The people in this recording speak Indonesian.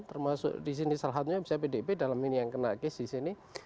termasuk disini salah satunya bisa pdp dalam ini yang kena kes disini